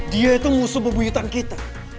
dia itu musuh bebu hitam kita